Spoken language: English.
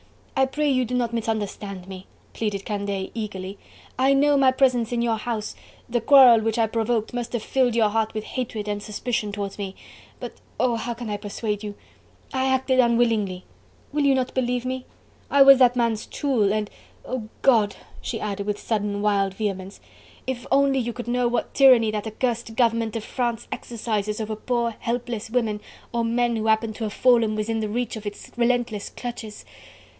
"I pray you do not misunderstand me..." pleaded Candeille eagerly. "I know my presence in your house... the quarrel which I provoked must have filled your heart with hatred and suspicion towards me... but oh! how can I persuade you?... I acted unwillingly... will you not believe me?... I was that man's tool... and... Oh God!" she added with sudden, wild vehemence, "if only you could know what tyranny that accursed government of France exercises over poor helpless women or men who happen to have fallen within reach of its relentless clutches..."